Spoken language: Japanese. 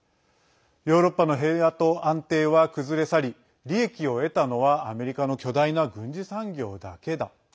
ヨーロッパの平和と安定は崩れ去り利益を得たのはアメリカの巨大な軍事産業だけだ。